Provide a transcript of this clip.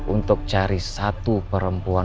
untuk cari satu perempuan